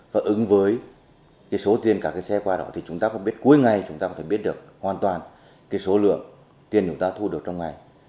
và ứng với cái số tiền cả cái xe qua đó thì chúng ta có biết cuối ngày chúng ta có thể biết được hoàn toàn cái số lượng tiền chúng ta thu được trong ngày